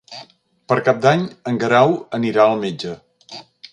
Per Cap d'Any en Guerau anirà al metge.